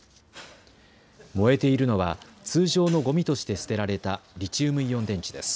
燃えているのは通常のごみとして捨てられたリチウムイオン電池です。